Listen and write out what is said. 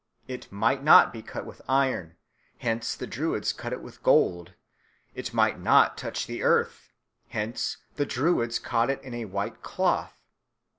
It might not be cut with iron, hence the Druids cut it with gold; and it might not touch the earth, hence the Druids caught it in a white cloth.